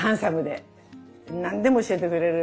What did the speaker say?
何でも教えてくれる。